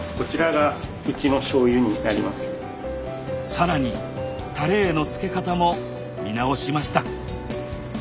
更にタレへの漬け方も見直しました。